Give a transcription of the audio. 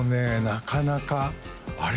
なかなかあれ？